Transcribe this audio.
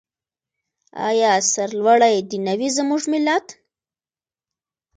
آیا سرلوړی دې نه وي زموږ ملت؟